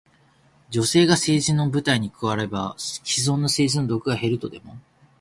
女性が政治の舞台に加われば、既存の政治の毒が減るとでも？